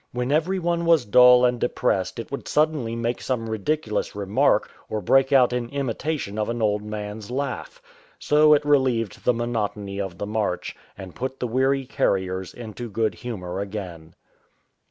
When every one was dull and depressed it would suddenly make some ridiculous remark or break out in imitation of an old man's laugh. So it relieved the monotony of the march, and put the weary carriers into good humour again.